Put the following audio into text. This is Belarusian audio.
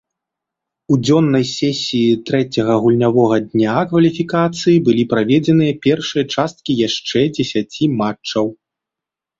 У дзённай сесіі трэцяга гульнявога дня кваліфікацыі былі праведзены першыя часткі яшчэ дзесяці матчаў.